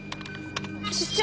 室長！